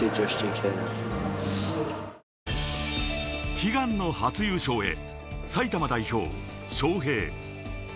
悲願の初優勝へ、埼玉代表・昌平。